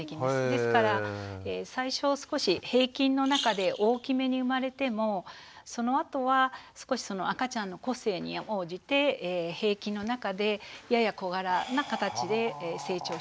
ですから最初少し平均の中で大きめに産まれてもそのあとは少しその赤ちゃんの個性に応じて平均の中でやや小柄なかたちで成長していくと。